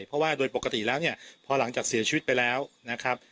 เพราะว่าโดยปกติแล้วเนี่ยพอหลังจากเสียชีวิตไปแล้วนะครับ